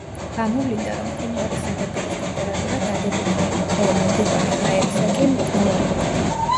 გამოვლინდა, რომ მყინვარის ზედაპირის ტემპერატურა დადებითი იყო, ხოლო მიმდებარე ჰაერისა კი უარყოფითი.